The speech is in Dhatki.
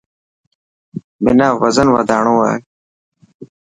منا وزن وڌاڻو هي.